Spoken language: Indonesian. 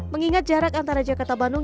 mengingat jarak antara jakarta bandung